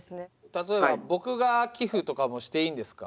例えば僕が寄付とかもしていいんですか？